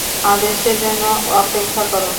আদেশের জন্য অপেক্ষা কর!